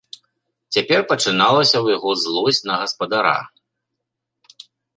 Цяпер пачыналася ў яго злосць на гаспадара.